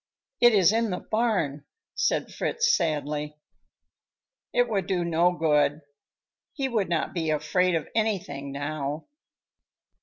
"It is in the barn," said Fritz sadly. "It would do no good; he would not be afraid of anything now.